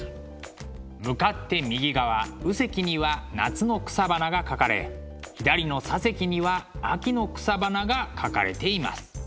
向かって右側右隻には夏の草花が描かれ左の左隻には秋の草花が描かれています。